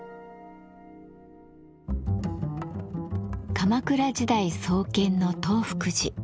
鎌倉時代創建の東福寺。